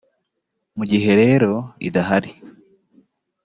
mu gihe rero idahari